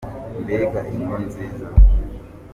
Mbega inkuru nziza!